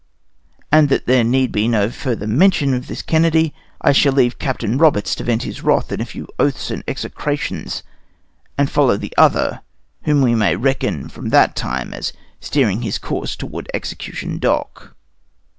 And that there need be no further mention of this Kennedy, I shall leave Captain Roberts to vent his wrath in a few oaths and execrations, and follow the other, whom we may reckon from that time as steering his course towards Execution Dock.